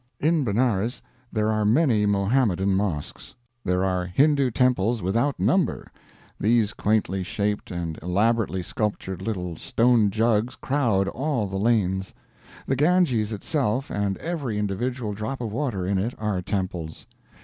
In Benares there are many Mohammedan mosques. There are Hindoo temples without number these quaintly shaped and elaborately sculptured little stone jugs crowd all the lanes. The Ganges itself and every individual drop of water in it are temples.